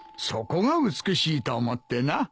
そこが美しいと思ってな。